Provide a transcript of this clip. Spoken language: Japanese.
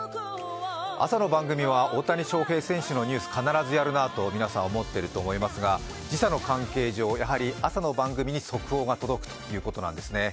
朝の番組は大谷翔平選手のニュース、必ずやるなと皆さん思っていると思いますが時差の関係上、やはり朝の番組に速報が届くということなんですね。